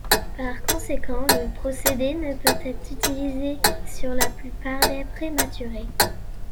Par conséquent, le procédé ne peut être utilisé sur la plupart des prématurés.